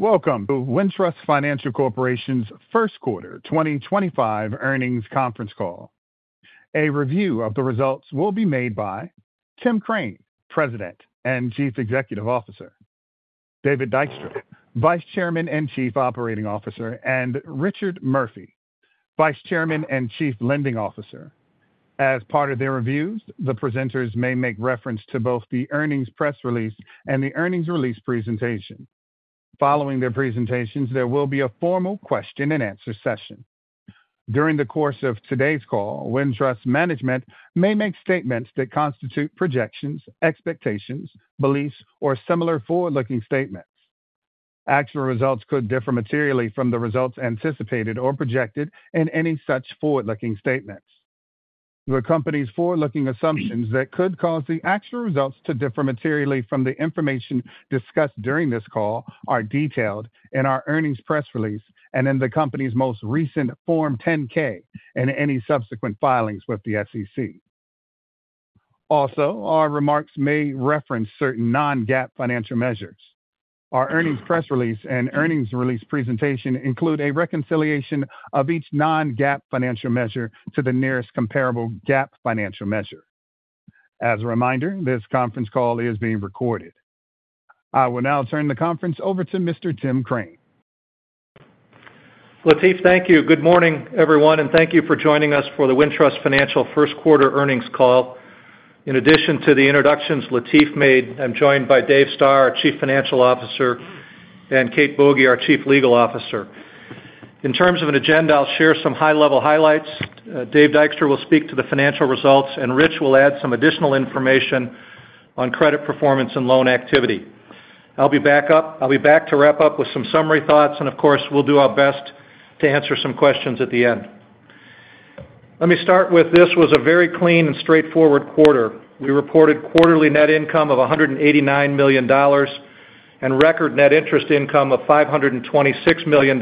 Welcome to Wintrust Financial Corporation's First Quarter 2025 Earnings Conference Call. A review of the results will be made by Tim Crane, President and Chief Executive Officer, David Dykstra, Vice Chairman and Chief Operating Officer, and Richard Murphy, Vice Chairman and Chief Lending Officer. As part of their reviews, the presenters may make reference to both the earnings press release and the earnings release presentation. Following their presentations, there will be a formal question-and-answer session. During the course of today's call, Wintrust management may make statements that constitute projections, expectations, beliefs, or similar forward-looking statements. Actual results could differ materially from the results anticipated or projected in any such forward-looking statements. The company's forward-looking assumptions that could cause the actual results to differ materially from the information discussed during this call are detailed in our earnings press release and in the company's most recent Form 10-K and any subsequent filings with the SEC. Also, our remarks may reference certain non-GAAP financial measures. Our earnings press release and earnings release presentation include a reconciliation of each non-GAAP financial measure to the nearest comparable GAAP financial measure. As a reminder, this conference call is being recorded. I will now turn the conference over to Mr. Tim Crane. Latif, thank you. Good morning, everyone, and thank you for joining us for the Wintrust Financial First Quarter Earnings Call. In addition to the introductions Latif made, I'm joined by Dave Stoehr, our Chief Financial Officer, and Kate Boege, our Chief Legal Officer. In terms of an agenda, I'll share some high-level highlights. Dave Dykstra will speak to the financial results, and Rich will add some additional information on credit performance and loan activity. I'll be back to wrap up with some summary thoughts, and of course, we'll do our best to answer some questions at the end. Let me start with this: this was a very clean and straightforward quarter. We reported quarterly net income of $189 million and record net interest income of $526 million,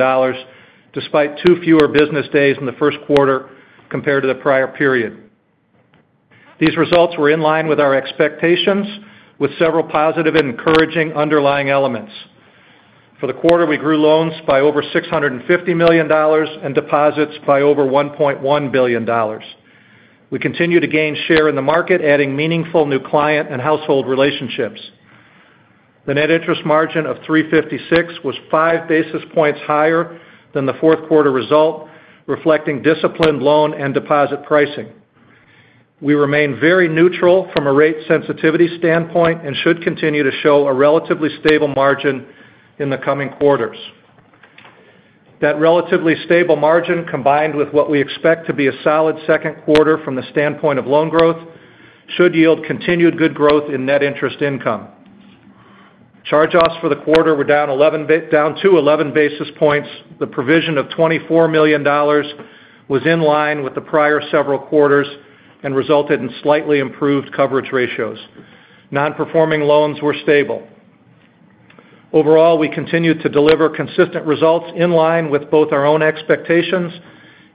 despite two fewer business days in the first quarter compared to the prior period. These results were in line with our expectations, with several positive and encouraging underlying elements. For the quarter, we grew loans by over $650 million and deposits by over $1.1 billion. We continued to gain share in the market, adding meaningful new client and household relationships. The net interest margin of 3.56% was five basis points higher than the fourth quarter result, reflecting disciplined loan and deposit pricing. We remain very neutral from a rate sensitivity standpoint and should continue to show a relatively stable margin in the coming quarters. That relatively stable margin, combined with what we expect to be a solid second quarter from the standpoint of loan growth, should yield continued good growth in net interest income. Charge-offs for the quarter were down to 11 basis points. The provision of $24 million was in line with the prior several quarters and resulted in slightly improved coverage ratios. Non-performing loans were stable. Overall, we continued to deliver consistent results in line with both our own expectations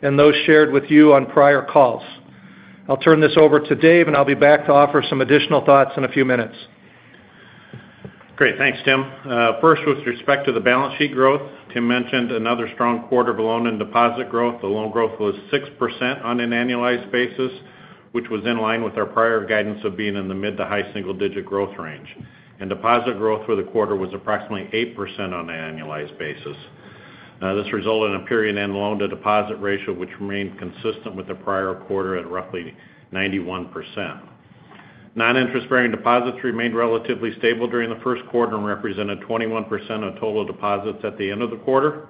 and those shared with you on prior calls. I'll turn this over to Dave, and I'll be back to offer some additional thoughts in a few minutes. Great. Thanks, Tim. First, with respect to the balance sheet growth, Tim mentioned another strong quarter of loan and deposit growth. The loan growth was 6% on an annualized basis, which was in line with our prior guidance of being in the mid to high single-digit growth range. Deposit growth for the quarter was approximately 8% on an annualized basis. This resulted in a period-end loan-to-deposit ratio, which remained consistent with the prior quarter at roughly 91%. Non-interest-bearing deposits remained relatively stable during the first quarter and represented 21% of total deposits at the end of the quarter.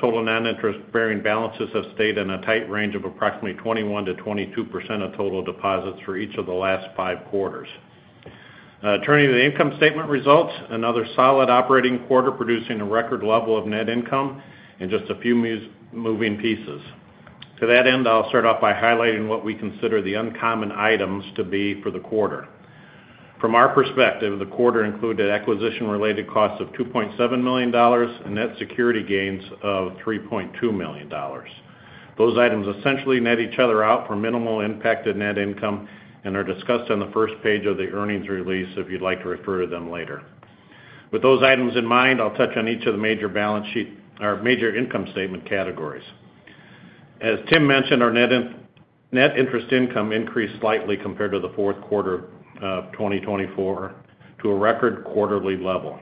Total non-interest-bearing balances have stayed in a tight range of approximately 21%-22% of total deposits for each of the last five quarters. Turning to the income statement results, another solid operating quarter producing a record level of net income in just a few moving pieces. To that end, I'll start off by highlighting what we consider the uncommon items to be for the quarter. From our perspective, the quarter included acquisition-related costs of $2.7 million and net security gains of $3.2 million. Those items essentially net each other out for minimal impact to net income and are discussed on the first page of the earnings release if you'd like to refer to them later. With those items in mind, I'll touch on each of the major income statement categories. As Tim mentioned, our net interest income increased slightly compared to the fourth quarter of 2024 to a record quarterly level.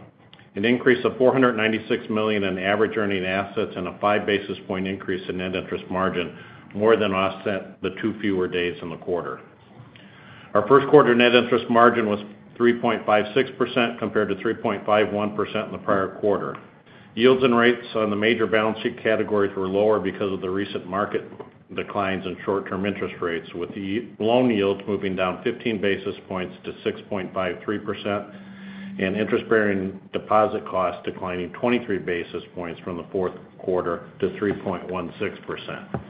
An increase of $496 million in average earning assets and a five-basis-point increase in net interest margin more than offset the two fewer days in the quarter. Our first quarter net interest margin was 3.56% compared to 3.51% in the prior quarter. Yields and rates on the major balance sheet categories were lower because of the recent market declines in short-term interest rates, with loan yields moving down 15 basis points to 6.53% and interest-bearing deposit costs declining 23 basis points from the fourth quarter to 3.16%.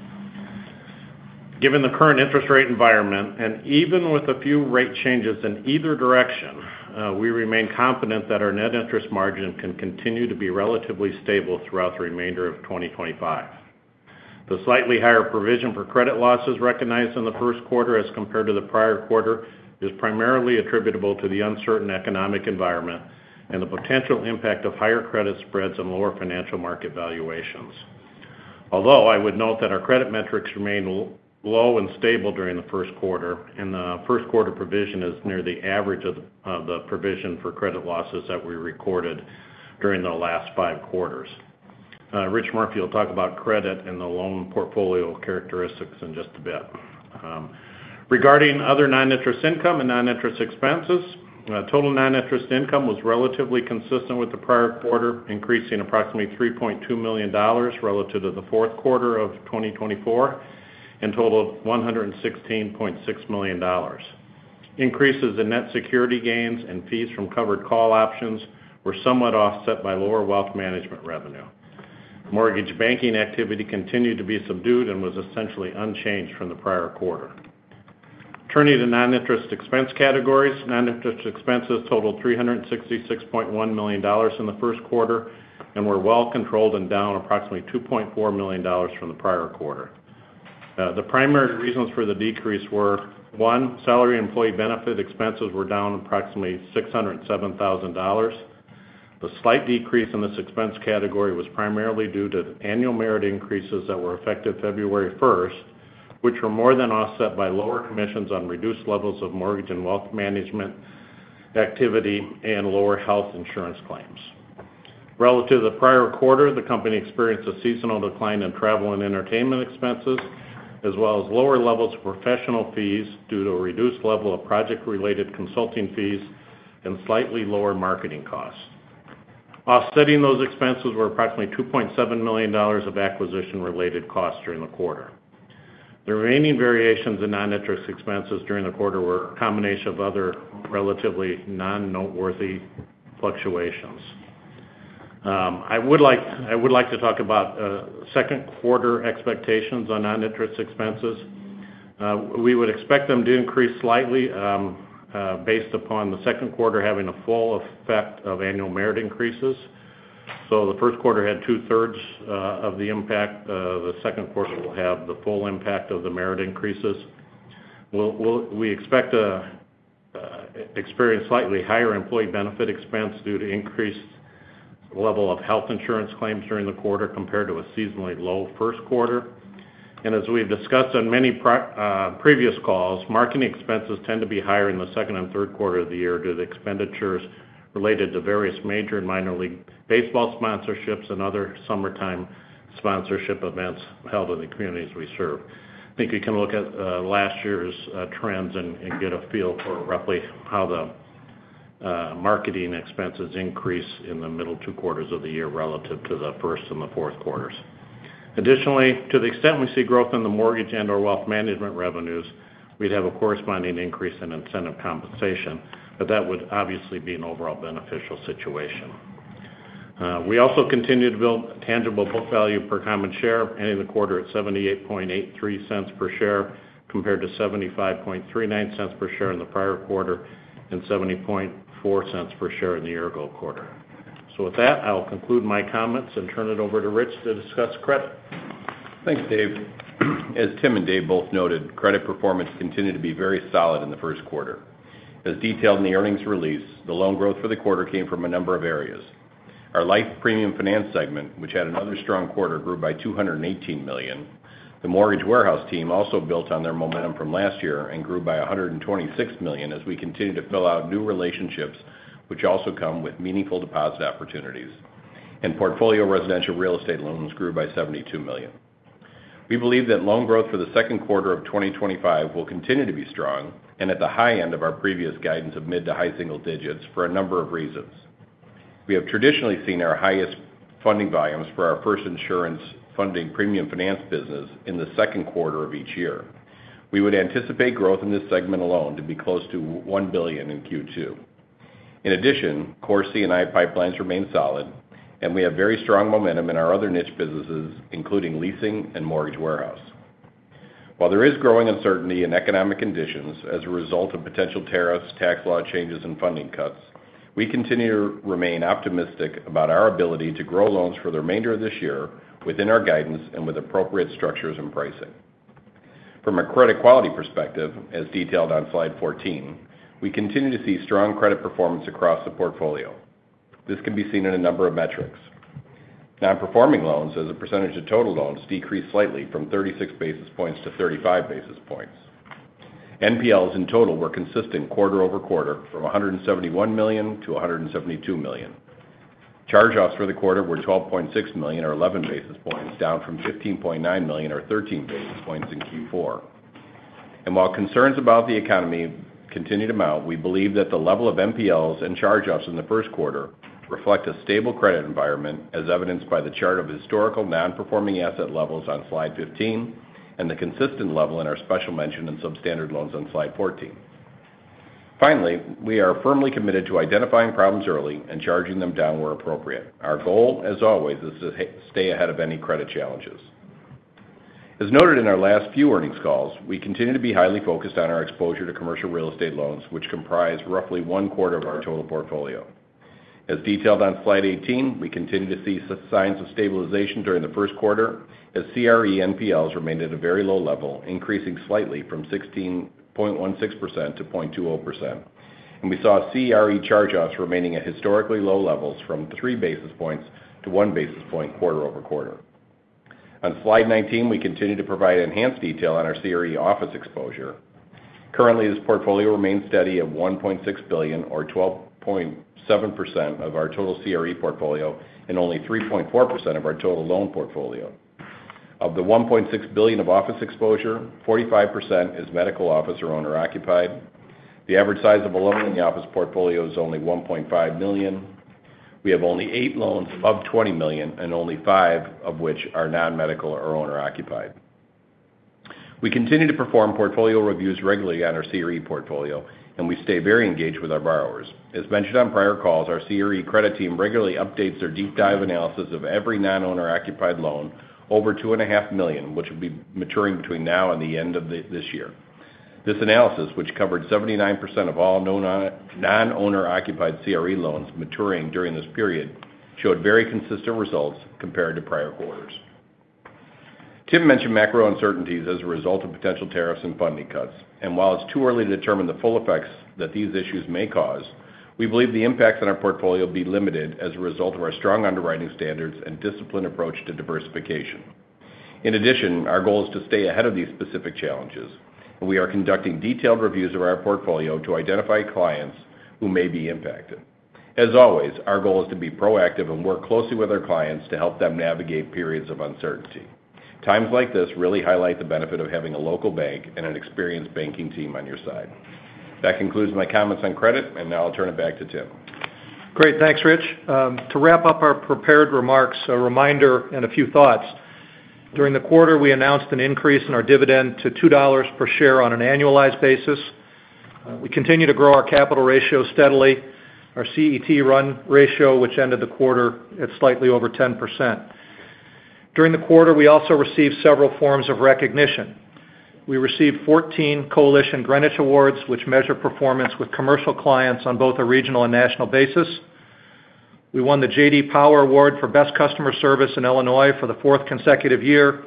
Given the current interest rate environment, and even with a few rate changes in either direction, we remain confident that our net interest margin can continue to be relatively stable throughout the remainder of 2025. The slightly higher provision for credit losses recognized in the first quarter as compared to the prior quarter is primarily attributable to the uncertain economic environment and the potential impact of higher credit spreads and lower financial market valuations. Although I would note that our credit metrics remained low and stable during the first quarter, and the first quarter provision is near the average of the provision for credit losses that we recorded during the last five quarters. Rich Murphy will talk about credit and the loan portfolio characteristics in just a bit. Regarding other non-interest income and non-interest expenses, total non-interest income was relatively consistent with the prior quarter, increasing approximately $3.2 million relative to the fourth quarter of 2024 and totaled $116.6 million. Increases in net security gains and fees from covered call options were somewhat offset by lower wealth management revenue. Mortgage banking activity continued to be subdued and was essentially unchanged from the prior quarter. Turning to non-interest expense categories, non-interest expenses totaled $366.1 million in the first quarter and were well controlled and down approximately $2.4 million from the prior quarter. The primary reasons for the decrease were, one, salary and employee benefit expenses were down approximately $607,000. The slight decrease in this expense category was primarily due to annual merit increases that were effective February 1st, which were more than offset by lower commissions on reduced levels of mortgage and wealth management activity and lower health insurance claims. Relative to the prior quarter, the company experienced a seasonal decline in travel and entertainment expenses, as well as lower levels of professional fees due to a reduced level of project-related consulting fees and slightly lower marketing costs. Offsetting those expenses were approximately $2.7 million of acquisition-related costs during the quarter. The remaining variations in non-interest expenses during the quarter were a combination of other relatively non-noteworthy fluctuations. I would like to talk about second quarter expectations on non-interest expenses. We would expect them to increase slightly based upon the second quarter having a full effect of annual merit increases. The first quarter had 2/3 of the impact. The second quarter will have the full impact of the merit increases. We expect to experience slightly higher employee benefit expense due to increased level of health insurance claims during the quarter compared to a seasonally low first quarter. As we've discussed on many previous calls, marketing expenses tend to be higher in the second and third quarter of the year due to expenditures related to various major and minor league baseball sponsorships and other summertime sponsorship events held in the communities we serve. I think we can look at last year's trends and get a feel for roughly how the marketing expenses increase in the middle two quarters of the year relative to the first and the fourth quarters. Additionally, to the extent we see growth in the mortgage and/or wealth management revenues, we'd have a corresponding increase in incentive compensation, but that would obviously be an overall beneficial situation. We also continue to build tangible book value per common share, ending the quarter at $78.83 per share compared to $75.39 per share in the prior quarter and $70.40 per share in the year-ago quarter. With that, I'll conclude my comments and turn it over to Rich to discuss credit. Thanks, Dave. As Tim and Dave both noted, credit performance continued to be very solid in the first quarter. As detailed in the earnings release, the loan growth for the quarter came from a number of areas. Our life premium finance segment, which had another strong quarter, grew by $218 million. The mortgage warehouse team also built on their momentum from last year and grew by $126 million as we continue to fill out new relationships, which also come with meaningful deposit opportunities. Portfolio residential real estate loans grew by $72 million. We believe that loan growth for the second quarter of 2025 will continue to be strong and at the high end of our previous guidance of mid to high single digits for a number of reasons. We have traditionally seen our highest funding volumes for our First Insurance Funding premium finance business in the second quarter of each year. We would anticipate growth in this segment alone to be close to $1 billion in Q2. In addition, Core C&I pipelines remain solid, and we have very strong momentum in our other niche businesses, including leasing and mortgage warehouse. While there is growing uncertainty in economic conditions as a result of potential tariffs, tax law changes, and funding cuts, we continue to remain optimistic about our ability to grow loans for the remainder of this year within our guidance and with appropriate structures and pricing. From a credit quality perspective, as detailed on slide 14, we continue to see strong credit performance across the portfolio. This can be seen in a number of metrics. Non-performing loans, as a percentage of total loans, decreased slightly from 36 basis points to 35 basis points. NPLs in total were consistent quarter over quarter from $171 million to $172 million. Charge-offs for the quarter were $12.6 million, or 11 basis points, down from $15.9 million, or 13 basis points, in Q4. While concerns about the economy continue to mount, we believe that the level of NPLs and charge-offs in the first quarter reflect a stable credit environment, as evidenced by the chart of historical non-performing asset levels on slide 15 and the consistent level in our special mention and substandard loans on slide 14. Finally, we are firmly committed to identifying problems early and charging them down where appropriate. Our goal, as always, is to stay ahead of any credit challenges. As noted in our last few earnings calls, we continue to be highly focused on our exposure to commercial real estate loans, which comprise roughly one quarter of our total portfolio. As detailed on slide 18, we continue to see signs of stabilization during the first quarter as CRE NPLs remained at a very low level, increasing slightly from 0.16% to 0.20%. We saw CRE charge-offs remaining at historically low levels from 3 basis points to 1 basis point quarter-over-quarter. On slide 19, we continue to provide enhanced detail on our CRE office exposure. Currently, this portfolio remains steady at $1.6 billion, or 12.7% of our total CRE portfolio, and only 3.4% of our total loan portfolio. Of the $1.6 billion of office exposure, 45% is medical office or owner-occupied. The average size of a loan in the office portfolio is only $1.5 million. We have only eight loans of $20 million, and only five of which are non-medical or owner-occupied. We continue to perform portfolio reviews regularly on our CRE portfolio, and we stay very engaged with our borrowers. As mentioned on prior calls, our CRE credit team regularly updates their deep-dive analysis of every non-owner-occupied loan over $2.5 million, which will be maturing between now and the end of this year. This analysis, which covered 79% of all non-owner-occupied CRE loans maturing during this period, showed very consistent results compared to prior quarters. Tim mentioned macro uncertainties as a result of potential tariffs and funding cuts. While it is too early to determine the full effects that these issues may cause, we believe the impacts on our portfolio will be limited as a result of our strong underwriting standards and disciplined approach to diversification. In addition, our goal is to stay ahead of these specific challenges, and we are conducting detailed reviews of our portfolio to identify clients who may be impacted. As always, our goal is to be proactive and work closely with our clients to help them navigate periods of uncertainty. Times like this really highlight the benefit of having a local bank and an experienced banking team on your side. That concludes my comments on credit, and now I'll turn it back to Tim. Great. Thanks, Rich. To wrap up our prepared remarks, a reminder and a few thoughts. During the quarter, we announced an increase in our dividend to $2 per share on an annualized basis. We continue to grow our capital ratio steadily. Our CET1 ratio, which ended the quarter at slightly over 10%. During the quarter, we also received several forms of recognition. We received 14 Coalition Greenwich Awards, which measure performance with commercial clients on both a regional and national basis. We won the J.D. Power Award for Best Customer Service in Illinois for the fourth consecutive year.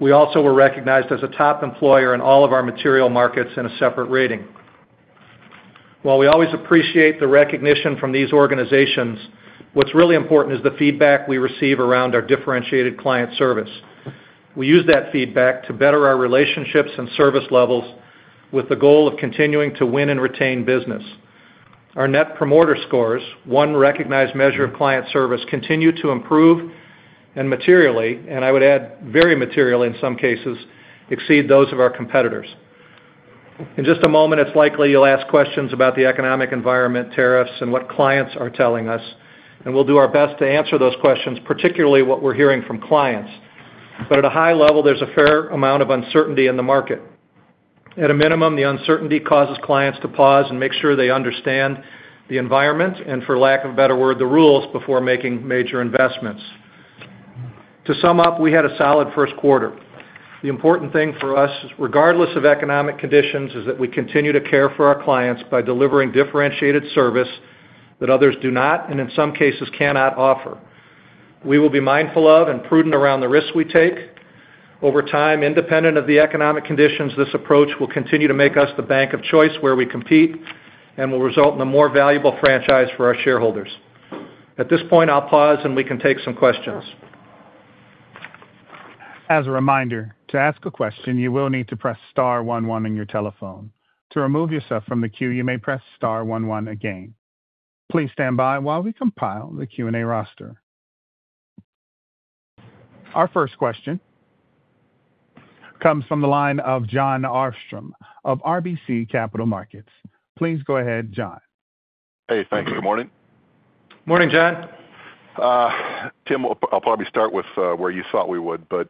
We also were recognized as a top employer in all of our material markets in a separate rating. While we always appreciate the recognition from these organizations, what's really important is the feedback we receive around our differentiated client service. We use that feedback to better our relationships and service levels with the goal of continuing to win and retain business. Our Net Promoter Scores, one recognized measure of client service, continue to improve and materially, and I would add very materially in some cases, exceed those of our competitors. In just a moment, it is likely you will ask questions about the economic environment, tariffs, and what clients are telling us. We will do our best to answer those questions, particularly what we are hearing from clients. At a high level, there is a fair amount of uncertainty in the market. At a minimum, the uncertainty causes clients to pause and make sure they understand the environment and, for lack of a better word, the rules before making major investments. To sum up, we had a solid first quarter. The important thing for us, regardless of economic conditions, is that we continue to care for our clients by delivering differentiated service that others do not and in some cases cannot offer. We will be mindful of and prudent around the risks we take. Over time, independent of the economic conditions, this approach will continue to make us the bank of choice where we compete and will result in a more valuable franchise for our shareholders. At this point, I'll pause and we can take some questions. As a reminder, to ask a question, you will need to press star one one on your telephone. To remove yourself from the queue, you may press star one one again. Please stand by while we compile the Q&A roster. Our first question comes from the line of Jon Arfstrom of RBC Capital Markets. Please go ahead, Jon. Hey, thanks. Good morning. Morning, John. Tim, I'll probably start with where you thought we would, but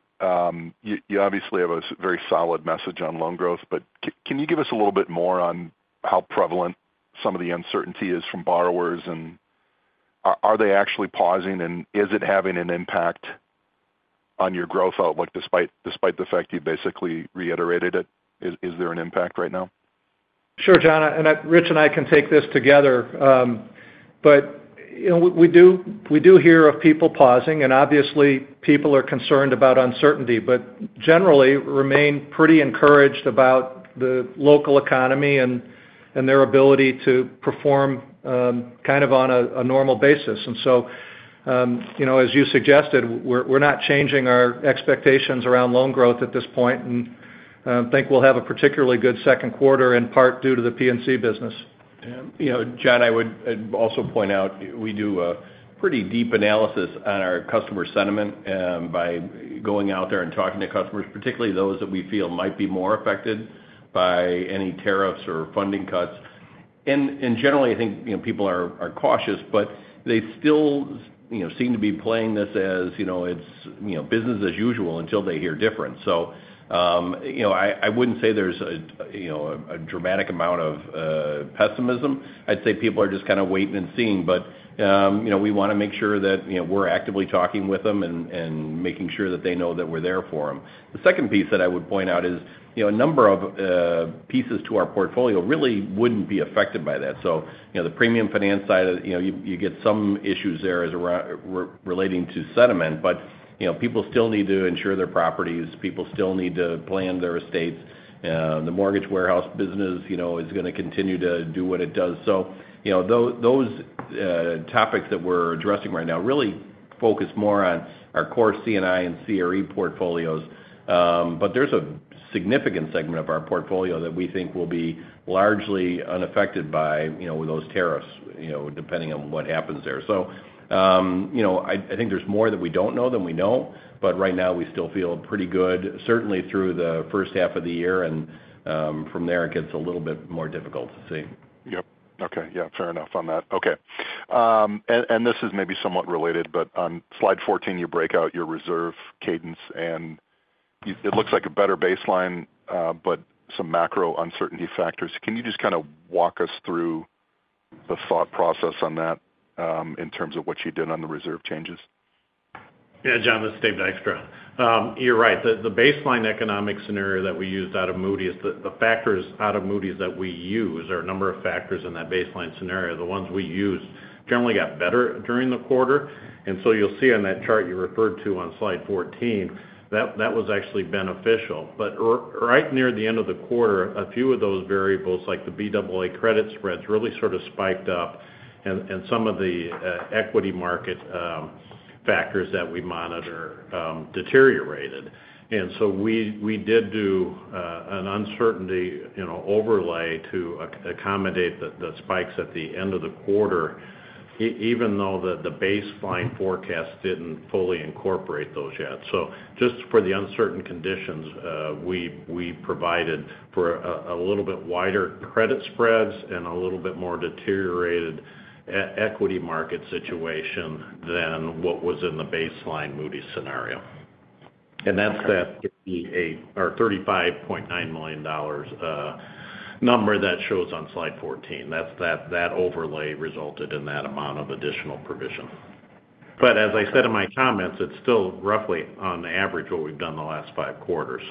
you obviously have a very solid message on loan growth. Can you give us a little bit more on how prevalent some of the uncertainty is from borrowers? Are they actually pausing, and is it having an impact on your growth, despite the fact you basically reiterated it? Is there an impact right now? Sure, John. Rich and I can take this together. We do hear of people pausing, and obviously, people are concerned about uncertainty, but generally, remain pretty encouraged about the local economy and their ability to perform kind of on a normal basis. As you suggested, we're not changing our expectations around loan growth at this point and think we'll have a particularly good second quarter, in part due to the P&C business. John, I would also point out we do a pretty deep analysis on our customer sentiment by going out there and talking to customers, particularly those that we feel might be more affected by any tariffs or funding cuts. Generally, I think people are cautious, but they still seem to be playing this as business as usual until they hear different. I would not say there is a dramatic amount of pessimism. I would say people are just kind of waiting and seeing. We want to make sure that we are actively talking with them and making sure that they know that we are there for them. The second piece that I would point out is a number of pieces to our portfolio really would not be affected by that. The premium finance side, you get some issues there relating to sentiment, but people still need to insure their properties. People still need to plan their estates. The mortgage warehouse business is going to continue to do what it does. Those topics that we're addressing right now really focus more on our core C&I and CRE portfolios. There is a significant segment of our portfolio that we think will be largely unaffected by those tariffs, depending on what happens there. I think there is more that we do not know than we know, but right now, we still feel pretty good, certainly through the first half of the year. From there, it gets a little bit more difficult to see. Yep. Okay. Yeah. Fair enough on that. Okay. This is maybe somewhat related, but on slide 14, you break out your reserve cadence, and it looks like a better baseline, but some macro uncertainty factors. Can you just kind of walk us through the thought process on that in terms of what you did on the reserve changes? Yeah, John, this is Dave Dykstra. You're right. The baseline economic scenario that we used out of Moody's, the factors out of Moody's that we use are a number of factors in that baseline scenario. The ones we used generally got better during the quarter. You will see on that chart you referred to on slide 14, that was actually beneficial. Right near the end of the quarter, a few of those variables, like the Baa credit spreads, really sort of spiked up, and some of the equity market factors that we monitor deteriorated. We did do an uncertainty overlay to accommodate the spikes at the end of the quarter, even though the baseline forecast did not fully incorporate those yet. Just for the uncertain conditions, we provided for a little bit wider credit spreads and a little bit more deteriorated equity market situation than what was in the baseline Moody's scenario. That is that $35.9 million number that shows on slide 14. That overlay resulted in that amount of additional provision. As I said in my comments, it is still roughly on average what we have done the last five quarters.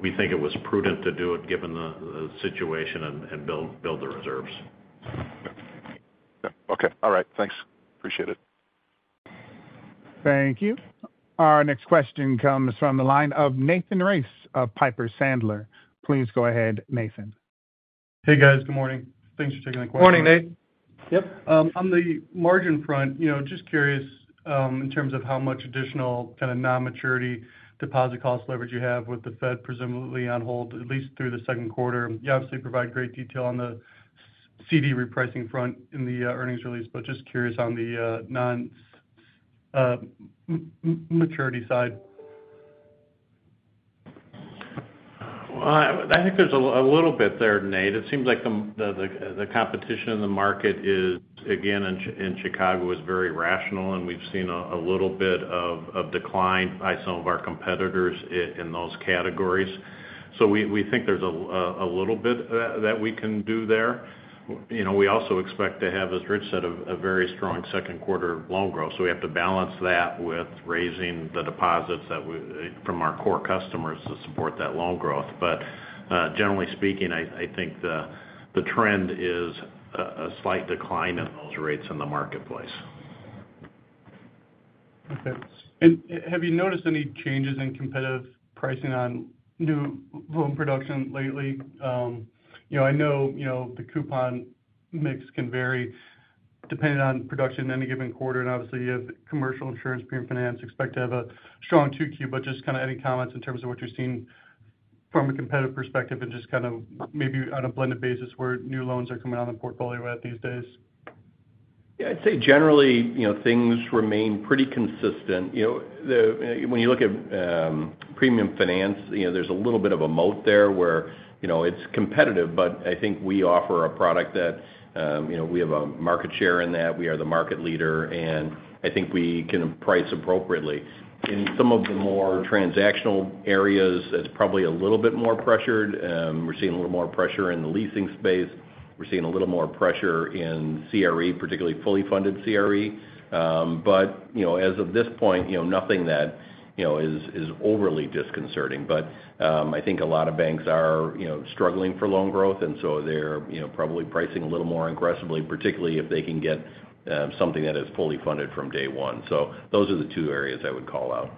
We think it was prudent to do it given the situation and build the reserves. Okay. All right. Thanks. Appreciate it. Thank you. Our next question comes from the line of Nathan Race of Piper Sandler. Please go ahead, Nathan. Hey, guys. Good morning. Thanks for taking the question. Morning, Nate. Yep. On the margin front, just curious in terms of how much additional kind of non-maturity deposit cost leverage you have with the Fed presumably on hold, at least through the second quarter. You obviously provide great detail on the CD repricing front in the earnings release, but just curious on the non-maturity side. I think there's a little bit there, Nate. It seems like the competition in the market, again, in Chicago is very rational, and we've seen a little bit of decline by some of our competitors in those categories. We think there's a little bit that we can do there. We also expect to have, as Rich said, a very strong second quarter loan growth. We have to balance that with raising the deposits from our core customers to support that loan growth. Generally speaking, I think the trend is a slight decline in those rates in the marketplace. Okay. Have you noticed any changes in competitive pricing on new loan production lately? I know the coupon mix can vary depending on production in any given quarter. Obviously, you have commercial insurance, premium finance, expect to have a strong 2Q. Just any comments in terms of what you're seeing from a competitive perspective and maybe on a blended basis where new loans are coming on the portfolio at these days? Yeah. I'd say generally, things remain pretty consistent. When you look at premium finance, there's a little bit of a moat there where it's competitive, but I think we offer a product that we have a market share in that. We are the market leader, and I think we can price appropriately. In some of the more transactional areas, it's probably a little bit more pressured. We're seeing a little more pressure in the leasing space. We're seeing a little more pressure in CRE, particularly fully funded CRE. As of this point, nothing that is overly disconcerting. I think a lot of banks are struggling for loan growth, and so they're probably pricing a little more aggressively, particularly if they can get something that is fully funded from day one. Those are the two areas I would call out.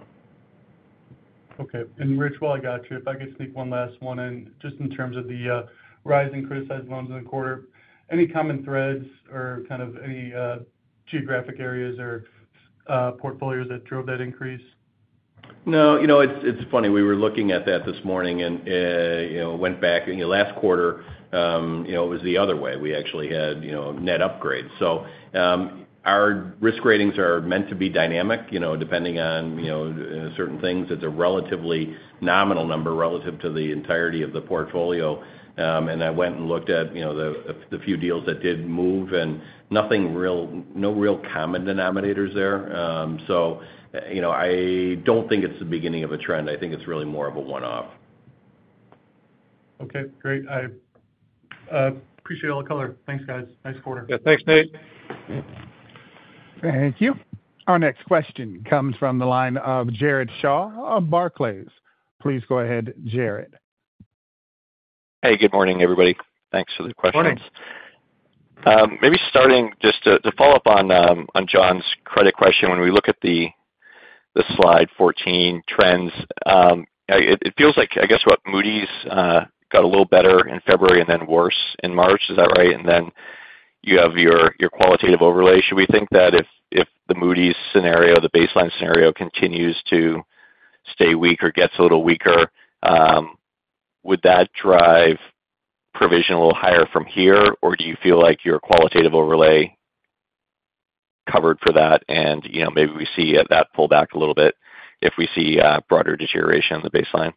Okay. Rich, while I got you, if I could sneak one last one in, just in terms of the rising criticized loans in the quarter, any common threads or kind of any geographic areas or portfolios that drove that increase? No. It's funny. We were looking at that this morning and went back. Last quarter, it was the other way. We actually had net upgrades. Our risk ratings are meant to be dynamic. Depending on certain things, it's a relatively nominal number relative to the entirety of the portfolio. I went and looked at the few deals that did move, and no real common denominators there. I do not think it's the beginning of a trend. I think it's really more of a one-off. Okay. Great. I appreciate all the color. Thanks, guys. Nice quarter. Yeah. Thanks, Nate. Thank you. Our next question comes from the line of Jared Shaw of Barclays. Please go ahead, Jared. Hey. Good morning, everybody. Thanks for the question. Morning. Maybe starting just to follow up on John's credit question, when we look at the slide 14 trends, it feels like, I guess, what Moody's got a little better in February and then worse in March. Is that right? You have your qualitative overlay. Should we think that if the Moody's scenario, the baseline scenario, continues to stay weak or gets a little weaker, would that drive provision a little higher from here? Or do you feel like your qualitative overlay covered for that? Maybe we see that pullback a little bit if we see broader deterioration in the baseline?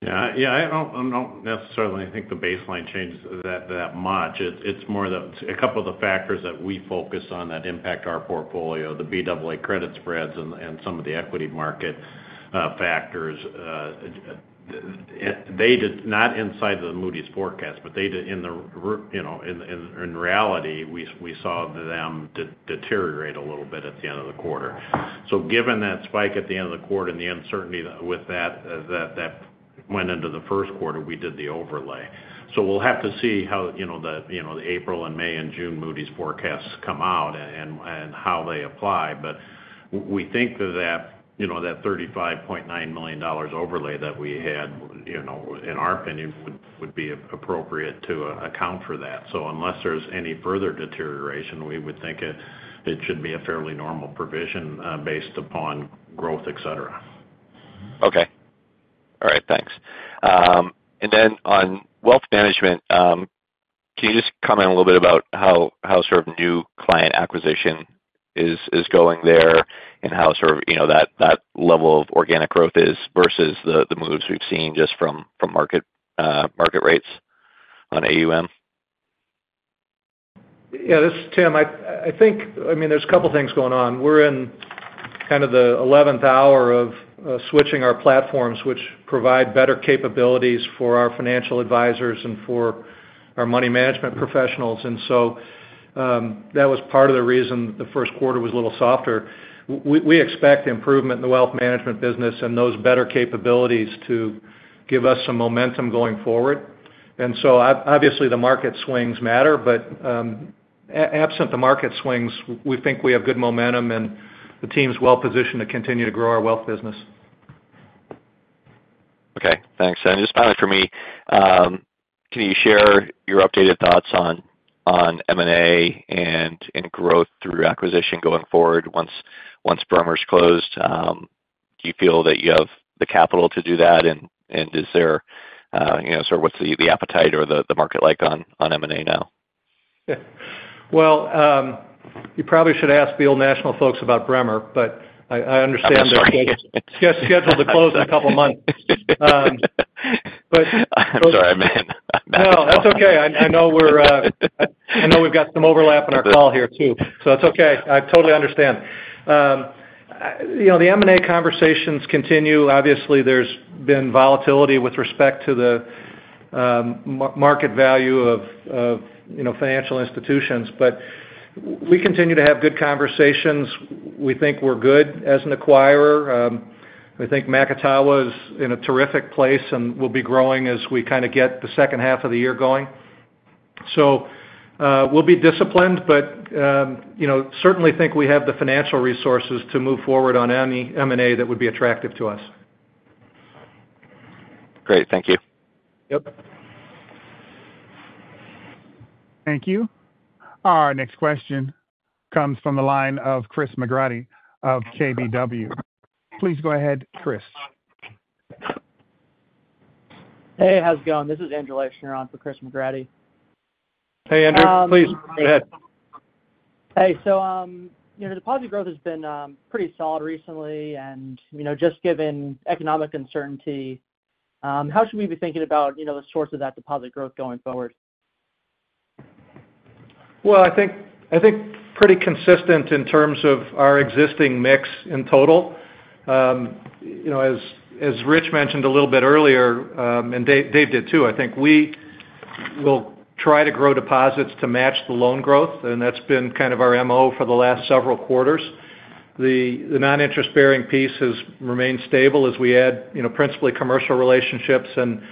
Yeah. Yeah. I don't necessarily think the baseline changed that much. It's more a couple of the factors that we focus on that impact our portfolio, the BAA credit spreads, and some of the equity market factors. Not inside the Moody's forecast, but in reality, we saw them deteriorate a little bit at the end of the quarter. Given that spike at the end of the quarter and the uncertainty with that that went into the first quarter, we did the overlay. We'll have to see how the April and May and June Moody's forecasts come out and how they apply. We think that that $35.9 million overlay that we had, in our opinion, would be appropriate to account for that. Unless there's any further deterioration, we would think it should be a fairly normal provision based upon growth, etc. Okay. All right. Thanks. On wealth management, can you just comment a little bit about how sort of new client acquisition is going there and how sort of that level of organic growth is versus the moves we've seen just from market rates on AUM? Yeah. This is Tim. I mean, there's a couple of things going on. We're in kind of the 11th hour of switching our platforms, which provide better capabilities for our financial advisors and for our money management professionals. That was part of the reason the first quarter was a little softer. We expect improvement in the wealth management business and those better capabilities to give us some momentum going forward. Obviously, the market swings matter. Absent the market swings, we think we have good momentum and the team's well-positioned to continue to grow our wealth business. Okay. Thanks. Just finally for me, can you share your updated thoughts on M&A and growth through acquisition going forward once Bremer's closed? Do you feel that you have the capital to do that? Is there sort of what's the appetite or the market like on M&A now? You probably should ask the Old National folks about Bremer, but I understand they're scheduled to close in a couple of months. I'm sorry, man. No. That's okay. I know we've got some overlap in our call here too. It's okay. I totally understand. The M&A conversations continue. Obviously, there's been volatility with respect to the market value of financial institutions. We continue to have good conversations. We think we're good as an acquirer. We think Macatawa is in a terrific place and will be growing as we kind of get the second half of the year going. We'll be disciplined but certainly think we have the financial resources to move forward on M&A that would be attractive to us. Great. Thank you. Yep. Thank you. Our next question comes from the line of Chris McGratty of KBW. Please go ahead, Chris. Hey. How's it going? This is Andrew Leischner on for Chris McGratty. Hey, Andrew. Please go ahead. Deposit growth has been pretty solid recently. Just given economic uncertainty, how should we be thinking about the source of that deposit growth going forward? I think pretty consistent in terms of our existing mix in total. As Rich mentioned a little bit earlier, and Dave did too, I think we will try to grow deposits to match the loan growth. That's been kind of our MO for the last several quarters. The non-interest-bearing piece has remained stable as we add principally commercial relationships and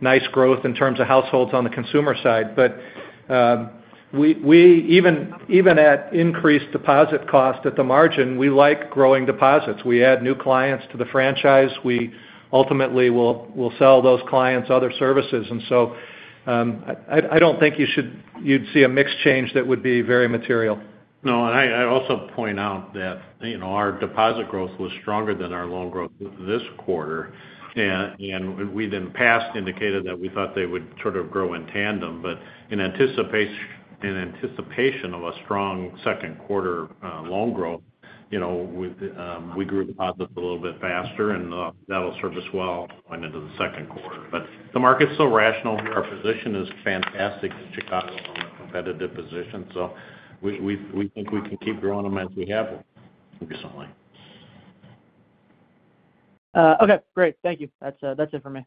nice growth in terms of households on the consumer side. Even at increased deposit cost at the margin, we like growing deposits. We add new clients to the franchise. We ultimately will sell those clients other services. I don't think you'd see a mix change that would be very material. No. I also point out that our deposit growth was stronger than our loan growth this quarter. We then past indicated that we thought they would sort of grow in tandem. In anticipation of a strong second quarter loan growth, we grew deposits a little bit faster, and that will serve us well going into the second quarter. The market is still rational. Our position is fantastic in Chicago from a competitive position. We think we can keep growing them as we have recently. Okay. Great. Thank you. That's it for me.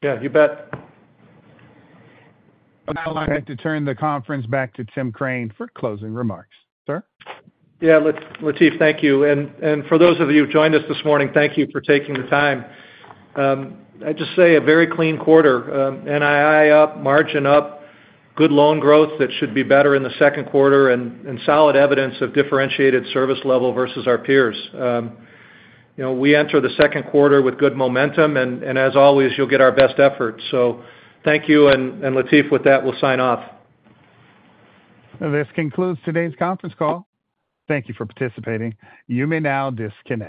Yeah. You bet. I'd like to turn the conference back to Tim Crane for closing remarks. Sir. Yeah. Latif, thank you. For those of you who've joined us this morning, thank you for taking the time. I just say a very clean quarter. NII up, margin up, good loan growth that should be better in the second quarter, and solid evidence of differentiated service level versus our peers. We enter the second quarter with good momentum. As always, you'll get our best effort. Thank you. Latif, with that, we'll sign off. This concludes today's conference call. Thank you for participating. You may now disconnect.